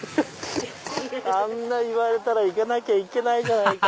あんな言われたら行かなきゃいけないじゃないか。